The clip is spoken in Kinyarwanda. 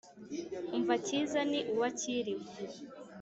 umva cyiza ni uwa cyilima